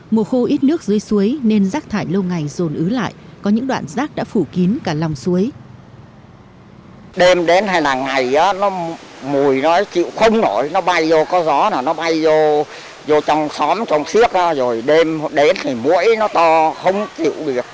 mùa khô ít nước dưới suối nên rác thải lâu ngày rồn ứ lại có những đoạn rác đã phủ kín cả lòng suối